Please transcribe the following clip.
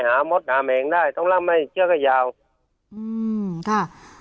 มดหาแมงได้ต้องล่ำให้เชือกให้ยาวอืมค่ะ